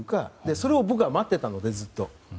それを僕は待っていたので。